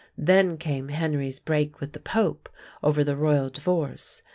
Then came Henry's break with the Pope over the royal divorce.